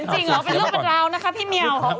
ไม่เขียนจริงหรอกเป็นเรื่องบัตรราวนะคะพี่แมว